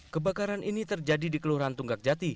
kebakaran ini terjadi di kelurahan tunggak jati